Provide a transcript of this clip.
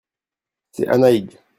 c'est Annaig.